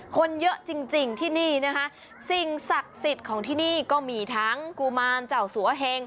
คนเยอะจริงที่นี่นะคะ